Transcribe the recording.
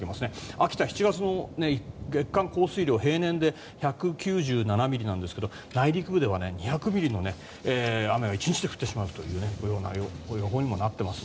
秋田、７月の月間降水量平年で１９７ミリなんですが内陸部では２００ミリの雨が１日で降ってしまう予報にもなっています。